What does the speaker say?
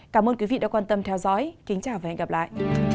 cảm ơn quý vị đã quan tâm theo dõi kính chào và hẹn gặp lại